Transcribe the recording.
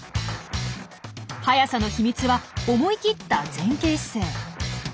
速さの秘密は思い切った前傾姿勢！